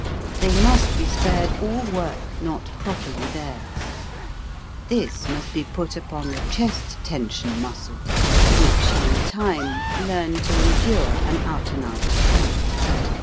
They must be spared all work not properly theirs; this must be put upon the chest tension muscles, which in time learn to endure an out and out thump.